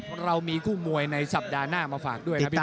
เพราะเรามีคู่มวยในสัปดาห์หน้ามาฝากด้วยครับพี่